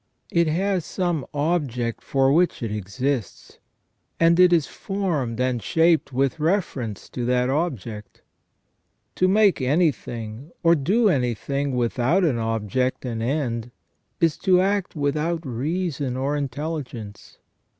It has some object for which it exists, and it is formed and shaped with refer ence to that object. To make anything or do anything without an object and end is to act without reason or intelligence.